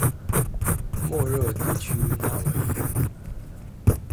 莫热地区讷维。